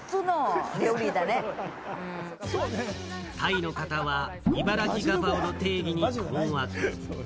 タイの方はいばらきガパオの定義に困惑。